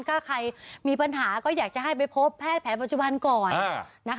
ถ้าใครมีปัญหาก็อยากจะให้ไปพบแพทย์แผนปัจจุบันก่อน